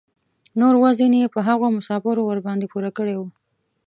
نور وزن یې په هغو مسافرو ورباندې پوره کړی و.